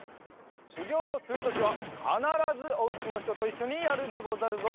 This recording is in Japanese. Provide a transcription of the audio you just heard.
しゅぎょうをするときはかならずおうちのひとといっしょにやるでござるぞ。